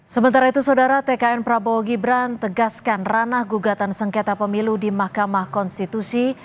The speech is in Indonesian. sementara itu saudara tkn prabowo gibran tegaskan ranah gugatan sengketa pemilu di mahkamah konstitusi